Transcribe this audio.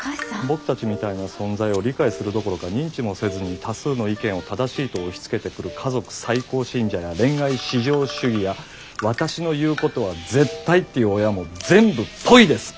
僕たちみたいな存在を理解するどころか認知もせずに多数の意見を正しいと押しつけてくる家族最高信者や恋愛至上主義や私の言うことは絶対っていう親も全部ポイッです！